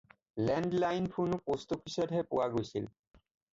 Land line ফোনো post অফিচতহে পোৱা গৈছিল।